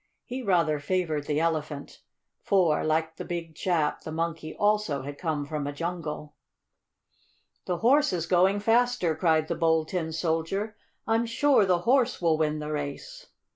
He rather favored the Elephant, for, like the big chap, the Monkey also had come from a jungle. "The Horse is going faster!" cried the Bold Tin Soldier. "I'm sure the Horse will win the race!"